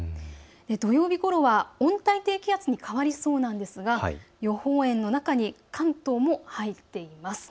土曜日ごろは温帯低気圧に変わりそうなんですが予報円の中に関東も入っています。